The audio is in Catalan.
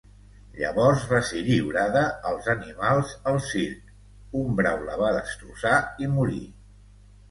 Llavors va ser lliurada als animals al circ: un brau la va destrossar i morí.